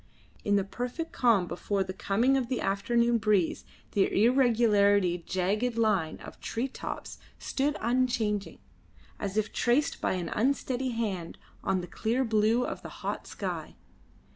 In the perfect calm before the coming of the afternoon breeze the irregularly jagged line of tree tops stood unchanging, as if traced by an unsteady hand on the clear blue of the hot sky.